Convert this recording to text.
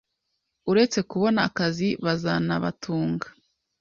Uretse kubona akazi bazanabatunga